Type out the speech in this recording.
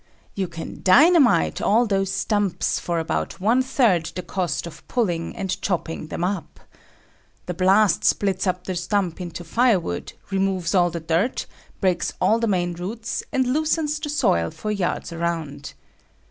You can dynamite all those stumps for about one third the cost of pulling and chopping them up. The blast splits up the stump into firewood, removes all the dirt, breaks all the main roots, and loosens the soil for yards around.